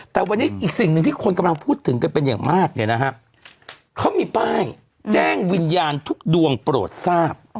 แต่วันนี้อีกสิ่งหนึ่งที่คนกำลังพูดถึงกันเป็นอย่างมากเนี่ยนะฮะเขามีป้ายแจ้งวิญญาณทุกดวงโปรดทราบ